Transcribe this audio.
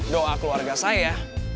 doa keluarga saya